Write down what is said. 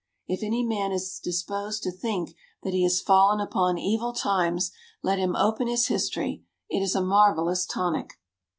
If any man is disposed to think that he has fallen upon evil times, let him open his history. It is a marvellous tonic.